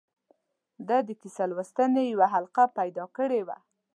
ده د کیسه لوستنې یوه حلقه پیدا کړې وه.